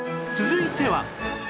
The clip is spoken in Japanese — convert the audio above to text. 続いては